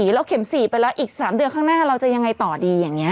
แล้วเข็ม๔ไปแล้วอีก๓เดือนข้างหน้าเราจะยังไงต่อดีอย่างนี้